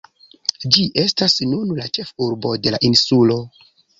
Ĝi estas nun la ĉefurbo de la insulo.